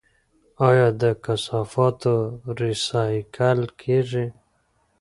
آیا د کثافاتو ریسایکل کیږي؟